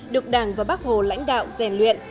được đảng và bác hồ lãnh đạo rèn luyện